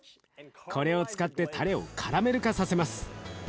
これを使ってたれをカラメル化させます。